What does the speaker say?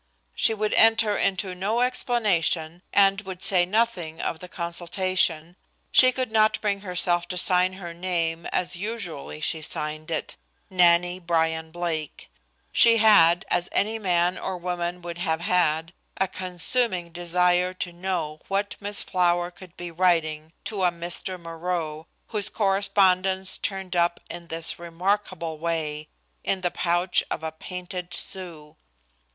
She would enter into no explanation and would say nothing of the consultation. She could not bring herself to sign her name as usually she signed it, Nannie Bryan Blake. She had, as any man or woman would have had, a consuming desire to know what Miss Flower could be writing to a Mr. Moreau, whose correspondence turned up in this remarkable way, in the pouch of a painted Sioux.